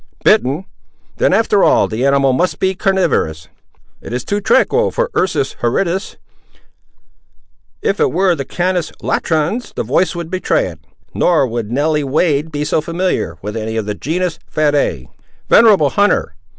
"Bitten! then, after all, the animal must be carnivorous! It is too tranquil for the ursus horridus; if it were the canis latrans, the voice would betray it. Nor would Nelly Wade be so familiar with any of the genus ferae. Venerable hunter!